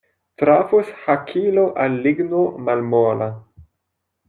Trafos hakilo al ligno malmola.